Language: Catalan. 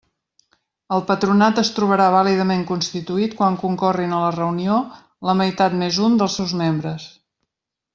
El Patronat es trobarà vàlidament constituït quan concorrin a la reunió la meitat més un dels seus membres.